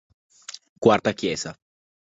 Quarta chiesa.